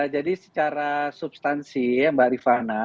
jadi secara substansi ya mbak rifana